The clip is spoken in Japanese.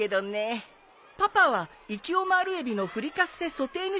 パパはいきオマールエビのフリカッセ・ソテーヌ